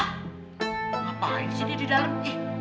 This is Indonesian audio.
ngapain sih dia di dalam